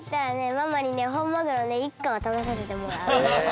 ママにねほんマグロね１こはたべさせてもらう。